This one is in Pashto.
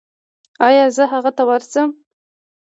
ایا زه هغه ته ورشم؟